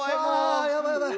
あやばいやばい。